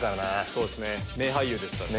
そうですね名俳優ですから。